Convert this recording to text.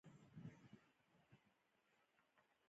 چې پر سر يې زرغونې او شنې جنډې رپېدلې.